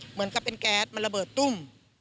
เหมือนกับเป็นแก๊สมันระเบิดตุ้ม